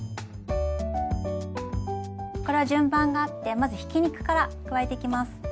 これは順番があってまずひき肉から加えていきます。